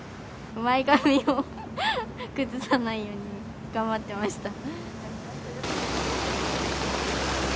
前髪を崩さないように頑張ってました。